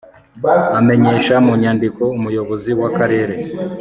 amenyesha mu nyandiko Umuyobozi w Akarere